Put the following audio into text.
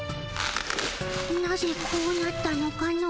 なぜこうなったのかの？